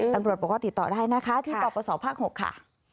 ตำรวจบอกว่าติดต่อได้นะคะที่ปปศภาค๖ค่ะ